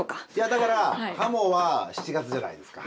だから鱧は７月じゃないですか。